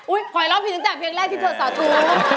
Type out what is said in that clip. อุ๊ยขอยล้อผิดตั้งแต่เพลงแรกที่เธอสาดู